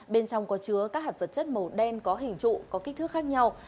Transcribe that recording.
bên trong có chứa các hạt vật chất màu đen có hình trụ có kích thước khác nhau